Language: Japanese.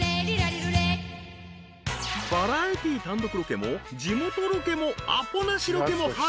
［バラエティー単独ロケも地元ロケもアポなしロケも初］